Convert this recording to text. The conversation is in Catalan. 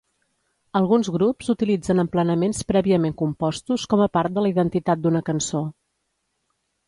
Alguns grups utilitzen emplenaments prèviament compostos com a part de la identitat d'una cançó.